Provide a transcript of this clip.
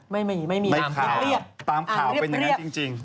ไม่มีไม่มีตามข่าวเป็นอย่างนั้นจริง